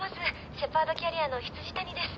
シェパードキャリアの未谷です。